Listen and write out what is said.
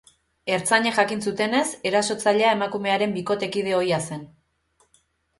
Ertzainek jakin zutenez, erasotzailea emakumearen bikotekide ohia zen.